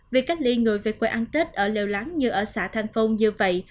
việc cách ly người về quê ăn tết ở lèo lãng như ở xã thành phong như vậy